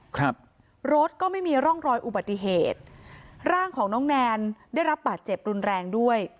ครับรถก็ไม่มีร่องรอยอุบัติเหตุร่างของน้องแนนได้รับบาดเจ็บรุนแรงด้วย